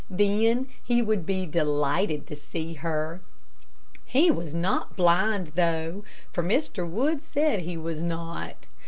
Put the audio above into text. Then he would be delighted to see her. He was not blind though, for Mr. Wood said he was not.